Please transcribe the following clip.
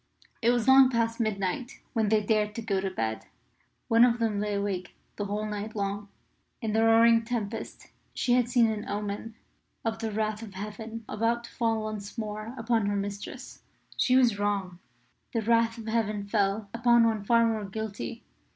It was long past midnight when they dared to go to bed. One of them lay awake the whole night long. In the roaring tempest she had seen an omen of the wrath of Heaven about to fall once more upon her mistress. She was wrong. The wrath of Heaven fell upon one far more guilty.